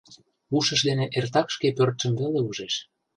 Ушыж дене эртак шке пӧртшым веле ужеш.